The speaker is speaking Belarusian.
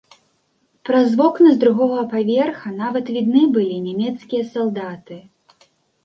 Праз вокны з другога паверха нават відны былі нямецкія салдаты.